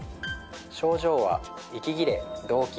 症状は息切れ動悸